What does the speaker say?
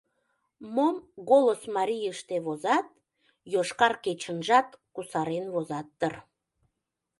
Мом «Голос марийыште» возат, «Йошкар кечынжат» кусарен возат дыр?